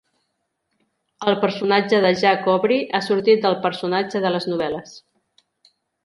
El personatge de Jack Aubrey ha sortit del personatge de les novel·les.